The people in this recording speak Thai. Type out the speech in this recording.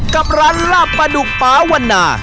กับร้านลาบปลาดุกฟ้าวันนา